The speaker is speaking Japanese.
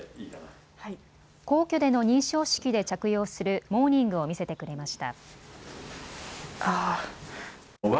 皇居での認証式で着用するモーニングを見せてくれました。